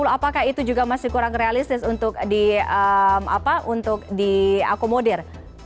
apakah itu juga masih kurang realistis untuk diakomodir